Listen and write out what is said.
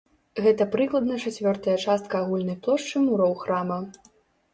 Гэта прыкладна чацвёртая частка агульнай плошчы муроў храма.